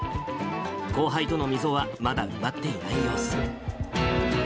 後輩との溝はまだ埋まっていない様子。